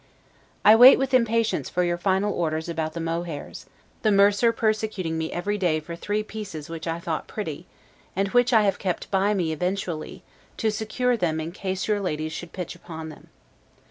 I wait with impatience for your final orders about the mohairs; the mercer persecuting me every day for three pieces which I thought pretty, and which I have kept by me eventually, to secure them in case your ladies should pitch upon them.